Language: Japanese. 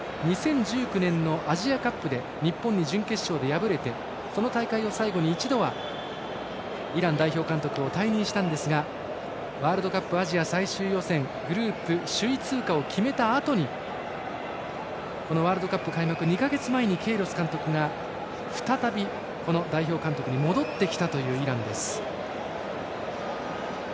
２０１９年のアジアカップで日本に準決勝で敗れてその大会を最後に一度はイラン代表監督を退任したんですがワールドカップ、アジア最終予選グループ首位通過を決めたあとにこのワールドカップ開幕２か月前にケイロス監督が再び、この代表監督に戻ってきたイランです。